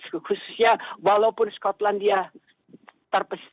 khususnya walaupun skotlandia terpisah